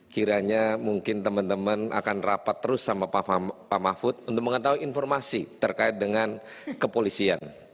kiranya mungkin teman teman akan rapat terus sama pak mahfud untuk mengetahui informasi terkait dengan kepolisian